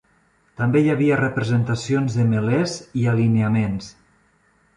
També hi havia representacions de melés i alineaments.